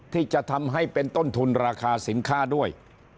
ที่จะทำให้เป็นต้นทุนราคาสินค้าด้วย